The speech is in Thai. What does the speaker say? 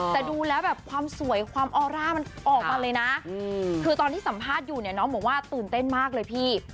แต่ดูแล้วแบบความสวยความออร่ามันออกมาเลยนะคือตอนที่สัมภาษณ์อยู่เนี่ยน้องบอกว่าตื่นเต้นมากเลยพี่